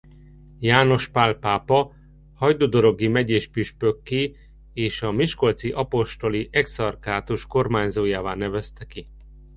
János Pál pápa hajdúdorogi megyés püspökké és a Miskolci apostoli exarchátus kormányzójává nevezte ki.